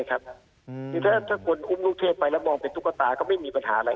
คือถ้าคนอุ้มลูกเทพไปแล้วมองเป็นตุ๊กตาก็ไม่มีปัญหาอะไร